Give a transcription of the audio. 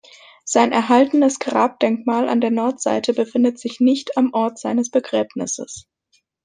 Sein erhaltenes Grabdenkmal an der Nordseite befindet sich nicht am Ort seines Begräbnisses.